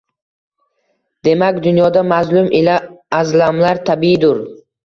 Demak, dunyoda mazlum ila azlamlar tabiiydur